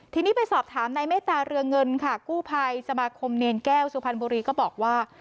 ทีนี้ไปสอบถามในเมตตาเรืองเงินค่ะกู้ภัยสมาคมเนรแก้วสุพรรณบุรีก็บอกว่า